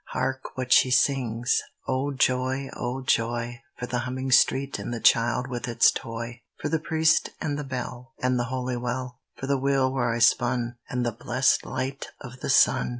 Hark what she sings: "O joy, O joy, For the humming street, and the child with its toy ! For the priest and the bell, and the holy well; For the wheel where I spun, And the blessed light of the sun!"